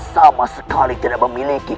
sama sekali tidak memiliki